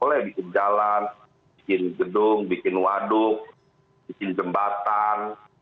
boleh bikin jalan bikin gedung bikin waduk bikin jembatan